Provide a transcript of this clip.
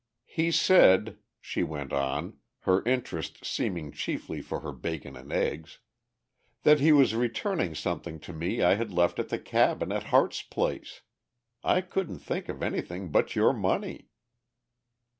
"He said," she went on, her interest seeming chiefly for her bacon and eggs, "that he was returning something to me I had left at the cabin at Harte's place. I couldn't think of anything but your money."